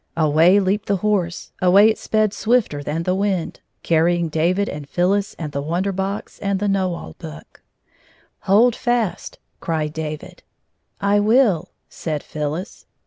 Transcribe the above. Away leaped the horse. Away it sped swifter than the wind, carrying David and PhyUis and the Wonder Box and the Know All Book. " Hold fast !" cried David. "I will," said Phyllis.